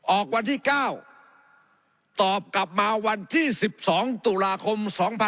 วันที่๙ตอบกลับมาวันที่๑๒ตุลาคม๒๕๖๒